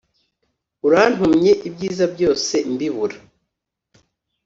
urantumye ibyiza byose mbibura